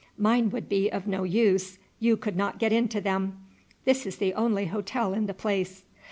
Mine would be of no use; you could not get into them. This is the only hotel in the place."